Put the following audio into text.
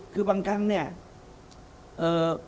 คือบางครั้งเนี่ยเอ่อ